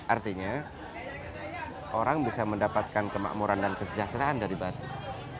artinya orang bisa mendapatkan kemakmuran dan kesejahteraan dari batu